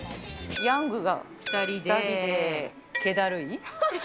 ヤングが、２人で、けだるい？